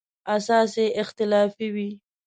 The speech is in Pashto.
اساس یې اختلافي وي.